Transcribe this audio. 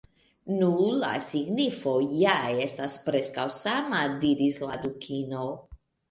"Nu, la signifo ja estas preskaŭ sama," diris la Dukino